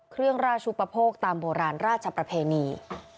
เครื่องราชุปโภคตามโบราณราชประเพณี